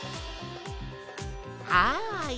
はい。